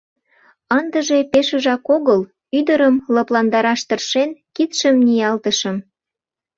— Ындыже пешыжак огыл... — ӱдырым лыпландараш тыршен, кидшым ниялтышым.